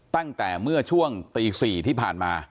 ตั้งแต่เมื่อช่วงตี๔ที่ผ่านมา